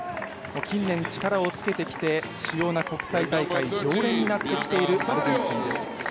近年力をつけてきて主要な国際大会常連になってきているアルゼンチンです。